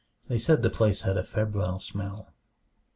They said the place had a febrile smell.